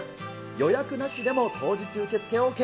予約なしでも当日受け付けＯＫ。